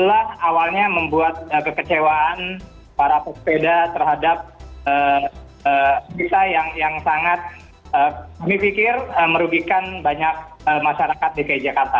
dan disinilah awalnya membuat kekecewaan para pesepeda terhadap kita yang sangat kami pikir merugikan banyak masyarakat dki jakarta